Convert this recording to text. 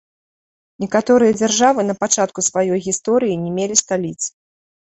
Некаторыя дзяржавы на пачатку сваёй гісторыі не мелі сталіц.